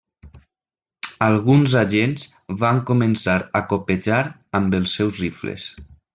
Alguns agents van començar a copejar amb els seus rifles.